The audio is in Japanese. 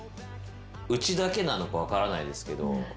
うちだけなのか分からないですけど